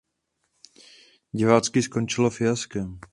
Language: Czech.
Divácky skončilo fiaskem.